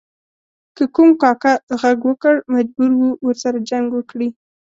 که کوم کاکه ږغ وکړ مجبور و ورسره جنګ وکړي.